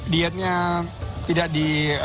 dietnya tidak di